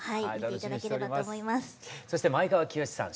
そして前川清さん